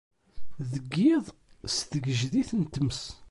Deg yiḍ s tgejdit n tmes.